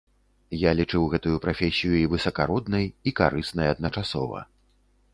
Я лічыў гэтую прафесію і высакароднай, і карыснай адначасова.